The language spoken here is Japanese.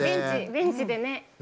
ベンチでね。